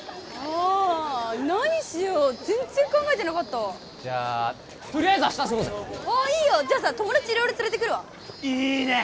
あ何しよう全然考えてなかったわじゃあとりあえず明日遊ぼうぜああいいよじゃあさ友達色々連れてくるわいいね！